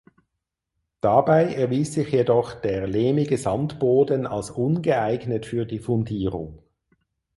Dabei erwies sich jedoch der lehmige Sandboden als ungeeignet für die Fundierung.